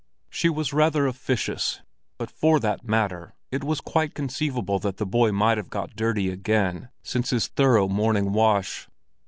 She was rather officious, but for that matter it was quite conceivable that the boy might have got dirty again since his thorough morning wash.